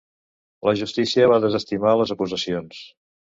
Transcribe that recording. La justícia va desestimar les acusacions.